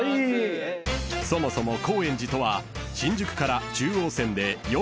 ［そもそも高円寺とは新宿から中央線で４駅］